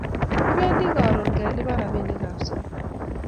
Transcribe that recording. Kibendi karun kelipan rapinik ab sukul